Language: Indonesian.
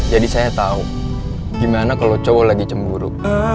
jadi saya tahu gimana kalau cowok lagi cemburu